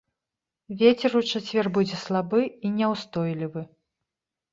Вецер у чацвер будзе слабы і няўстойлівы.